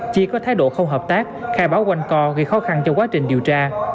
chi có thái độ không hợp tác khai báo quanh co gây khó khăn cho quá trình điều tra